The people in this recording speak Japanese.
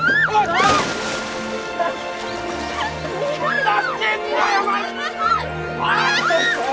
ふざけんなよマジ！